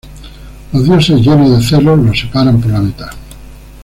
Los dioses, llenos de celos, los separan por la mitad.